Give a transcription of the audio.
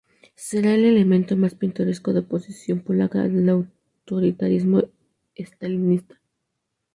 Sea el elemento más pintoresco de oposición polaca al autoritarismo estalinista.